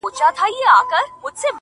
زما د زړه ډېوه روښانه سي.